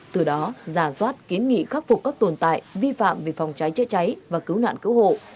từ đó giả soát kiến nghị khắc phục các tồn tại vi phạm về phòng cháy chữa cháy và cứu nạn cứu hộ